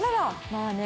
まあね